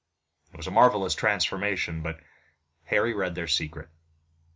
It was a marvelous transformation, but Harry read their secret.